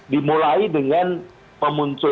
dimulai dengan pemunculan